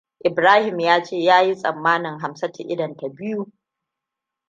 Ibrahim ya ce ya yi tsammanin Hamsatu idonta biyu.